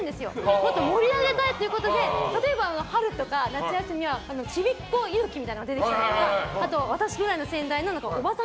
もっと盛り上げたいということで例えば、春とか夏休みはちびっこ猪木が出てきたりとか私ぐらいの世代のおばさん